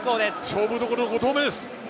勝負どころの５投目です。